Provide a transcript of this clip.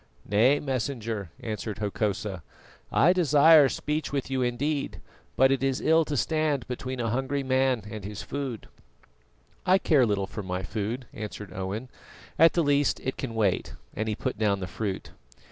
"Nay, Messenger," answered Hokosa, "I desire speech with you indeed, but it is ill to stand between a hungry man and his food." "I care little for my food," answered Owen; "at the least it can wait," and he put down the fruit.